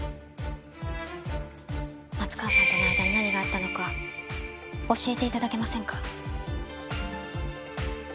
松川さんとの間に何があったのか教えて頂けませんか？